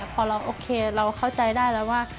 พอเราเข้าใจได้แล้วว่า